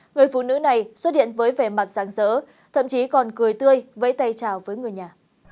người phụ nữ này xuất điện với vẻ mặt sáng sỡ thậm chí còn cười tươi với tay chào với người nhà